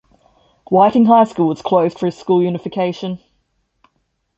Whiting High School was closed through school unification.